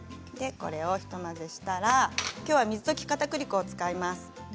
これを一混ぜしたらきょうは水溶きかたくり粉を使います。